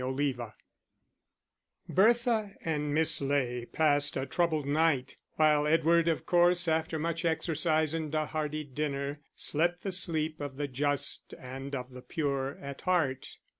_" Chapter XIV Bertha and Miss Ley passed a troubled night, while Edward, of course, after much exercise and a hearty dinner, slept the sleep of the just and of the pure at heart.